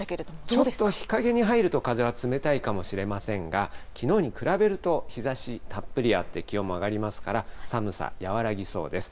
ちょっと日陰に入ると、風は冷たいかもしれませんが、きのうに比べると日ざしたっぷりあって、気温も上がりますから寒さ、和らぎそうです。